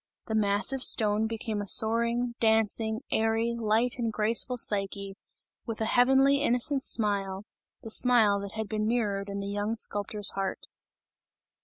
The massive stone became a soaring, dancing, airy, light and graceful Psyche, with a heavenly, innocent smile, the smile that had been mirrored in the young sculptor's heart.